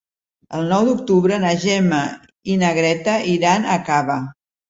El nou d'octubre na Gemma i na Greta iran a Cava.